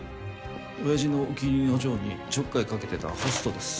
オヤジのお気に入りの嬢にちょっかいかけてたホストです。